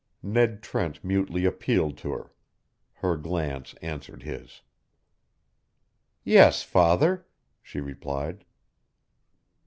Ned Trent mutely appealed to her; her glance answered his. "Yes, father," she replied.